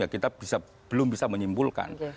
kita belum bisa menyimpulkan